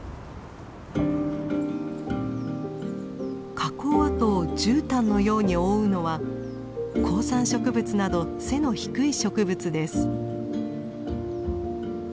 火口跡をじゅうたんのように覆うのは高山植物など背の低い植物です。